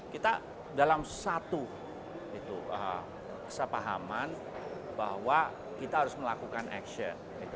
kita dalam satu kesepahaman bahwa kita harus melakukan action